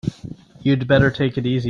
You'd better take it easy.